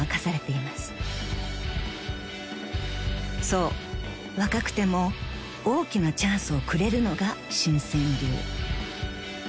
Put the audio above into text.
［そう若くても大きなチャンスをくれるのが深流］